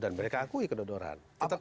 dan mereka akui kedodoran